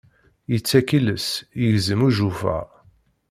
Yettak iles, igezzem ijufaṛ.